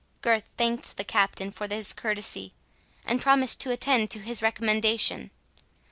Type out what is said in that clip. Gurth thanked the Captain for his courtesy, and promised to attend to his recommendation.